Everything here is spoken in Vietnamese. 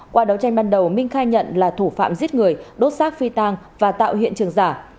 qua đấu tranh ban đầu minh khai nhận là thủ phạm giết người đốt xác phi tàng và tạo hiện trường giả